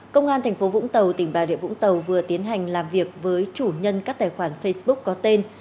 công an tp vũng tàu tỉnh bà địa vũng tàu vừa tiến hành làm việc với chủ nhân các tài khoản facebook có tên